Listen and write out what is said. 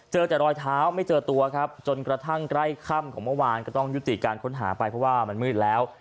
เจอแต่รอยเท้าไม่เจอตัวครับจนกระทั่งใกล้ค่ำของเมื่อวานก็ต้องยุติการค้นหาไปเพราะว่ามันมืดแล้ว